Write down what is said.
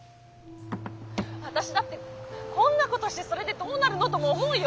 「私だってこんなことしてそれでどうなるのとも思うよ。